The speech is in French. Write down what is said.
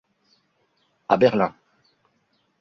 À Berlin.